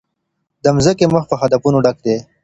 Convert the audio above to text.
د مځکي مخ په هدفونو ډک دی.